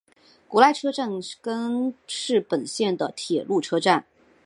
古濑车站根室本线的铁路车站。